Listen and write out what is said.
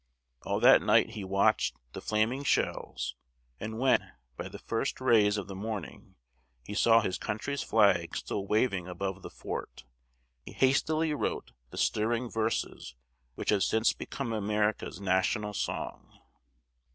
All that night he watched the flaming shells, and when, by the first rays of the morning, he saw his country's flag still waving above the fort, he hastily wrote the stirring verses which have since become America's national song.